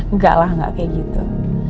enggak lah nggak kayak gitu